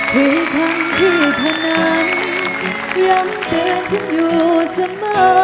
คือคำที่เธอนั้นยังเป็นฉันอยู่เสมอ